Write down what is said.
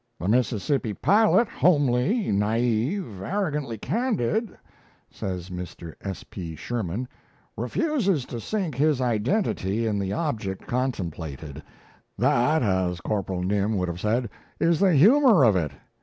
"The Mississippi pilot, homely, naive, arrogantly candid," says Mr. S. P. Sherman, "refuses to sink his identity in the object contemplated that, as Corporal Nym would have said, is the humour of it.